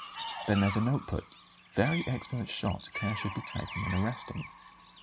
Then there's a note put: 'Very expert shot; care should be taken in arresting.'"